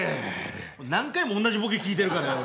何回もおんなじボケ聞いてるからよ。